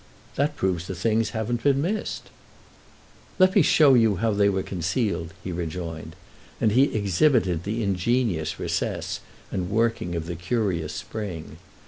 "That proves the things haven't been missed." "Let me show you how they were concealed," he rejoined; and he exhibited the ingenious recess and the working of the curious spring.